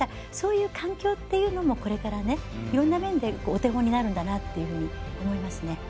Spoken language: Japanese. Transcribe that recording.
そういう環境というのもいろんな面でお手本になるんだなと思いますね。